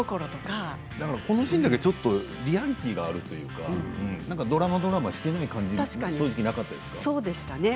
このシーンだけちょっとリアリティーがあるというかドラマドラマしていない感じだったよね。